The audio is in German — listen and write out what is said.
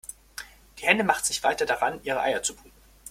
Die Henne machte sich weiter daran, ihre Eier zu brüten.